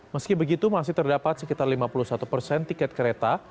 meski begitu masih terdapat sekitar lima puluh satu persen tiket kereta